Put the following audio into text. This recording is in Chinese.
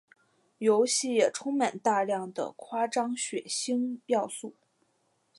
游戏也充满大量的夸张血腥要素。